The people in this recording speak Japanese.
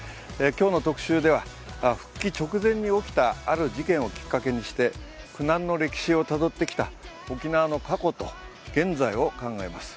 今日の特集では復帰直前に起きた、ある事件をきっかけにして苦難の歴史をたどってきた沖縄の過去と現在を考えます。